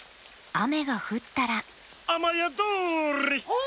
あめがふったらあまやどり！